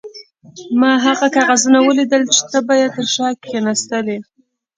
ما هغه کاغذونه ولیدل چې ته به یې تر شا کښېناستلې.